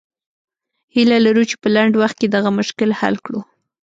هیله لرو چې په لنډ وخت کې دغه مشکل حل کړو.